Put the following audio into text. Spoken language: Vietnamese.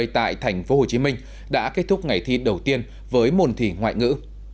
tại tp hcm đã kết thúc ngày thi đầu tiên với môn thi ngoại ngữ